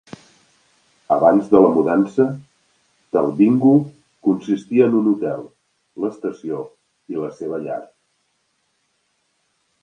Abans de la mudança, Talbingo consistia en un hotel, l'estació i la seva llar.